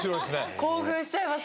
興奮しちゃいましたね。